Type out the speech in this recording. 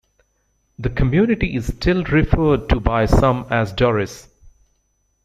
The community is still referred to by some as Dorris.